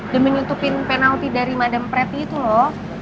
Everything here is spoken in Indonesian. dan menyutupin penalti dari madam pretty itu loh